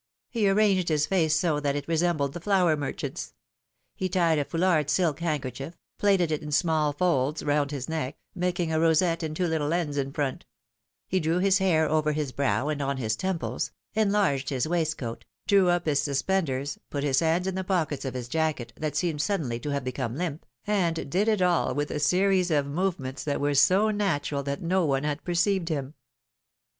He arranged his face so that it resembled the flour mer chant's. He tied a foulard silk handkerchief, plaited in small folds, around his neck, making a rosette and two little ends in front; he drew his hair over his brow and on his temples, enlarged his waistcoat, drew up his sus penders, put his hands in the pockets of his jacket, that seemed suddenly to have become limp, and did it all with a series of movements that were so natural that no one had perceived him.